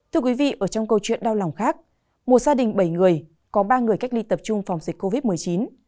thưa quý vị ở trong câu chuyện đau lòng khác một gia đình bảy người có ba người cách ly tập trung phòng dịch covid một mươi chín